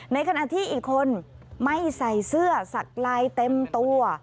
ในขณะที่อีกคนไม่ใส่เสื้อสักลายเต็มตัว